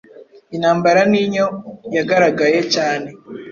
Intambara ninyo yagaragaye cyane